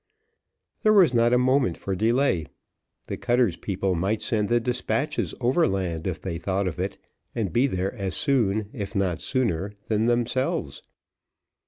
There was not a moment for delay; the cutter's people might send the despatches over land if they thought of it, and be there as soon, if not sooner than themselves.